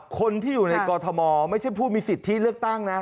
คนที่อยู่ในกรทมไม่ใช่ผู้มีสิทธิเลือกตั้งนะ